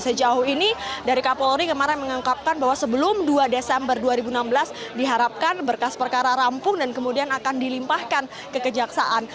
sejauh ini dari kapolri kemarin mengungkapkan bahwa sebelum dua desember dua ribu enam belas diharapkan berkas perkara rampung dan kemudian akan dilimpahkan ke kejaksaan